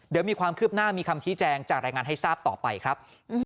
เดี๋ยวมีความคืบหน้ามีคำชี้แจงจากรายงานให้ทราบต่อไปครับ